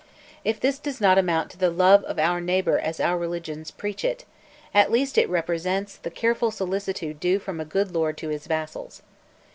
If this does not amount to the love of our neighbour as our religions preach it, at least it represents the careful solicitude due from a good lord to his vassals.